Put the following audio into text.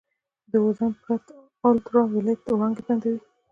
د اوزون پرت الټراوایلټ وړانګې بندوي.